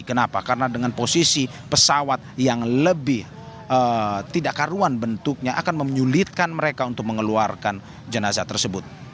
kenapa karena dengan posisi pesawat yang lebih tidak karuan bentuknya akan menyulitkan mereka untuk mengeluarkan jenazah tersebut